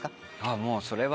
もうそれは。